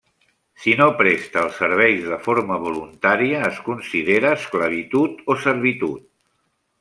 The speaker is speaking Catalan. Si no presta els serveis de forma voluntària, es considera esclavitud o servitud.